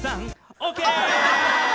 オーケー！